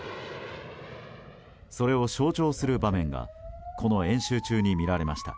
それを象徴する場面がこの演習中に見られました。